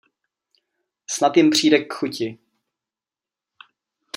Snad jim přijde k chuti.